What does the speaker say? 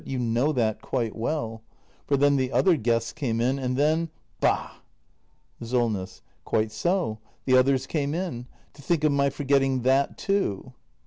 You know that quite well. For then the other guests came in, and then — bah! Solness. Quite so! The others came in. To think of my for getting that too!